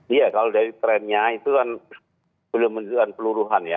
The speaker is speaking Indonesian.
iya kalau dari trennya itu kan belum menunjukkan peluruhan ya